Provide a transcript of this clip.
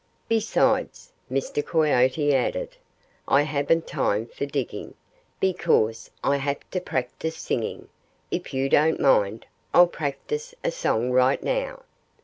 "Besides," Mr. Coyote added, "I haven't time for digging, because I have to practice singing. ... If you don't mind, I'll practice a song right now."